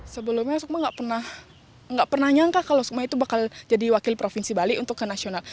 sebelumnya suksma nggak pernah nggak pernah nyangka kalau suksma itu bakal jadi wakil provinsi bali untuk ke nasional